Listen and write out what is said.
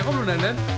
kok belum dandan